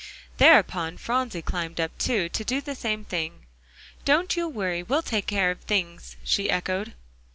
Thereupon Phronsie climbed up too, to do the same thing. "Don't you worry; we'll take care of things," she echoed.